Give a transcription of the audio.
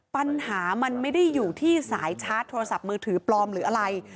ปัญหามันไม่ได้อยู่ที่สายชาร์จโทรศัพท์มือถือปลอมหรืออะไร